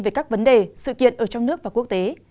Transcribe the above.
về các vấn đề sự kiện ở trong nước và quốc tế